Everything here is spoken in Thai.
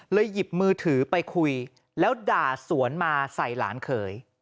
หยิบมือถือไปคุยแล้วด่าสวนมาใส่หลานเขย